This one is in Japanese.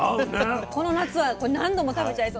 この夏はこれ何度も食べちゃいそう。